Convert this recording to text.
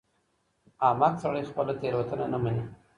احمق سړی خپله تېروتنه نه مني.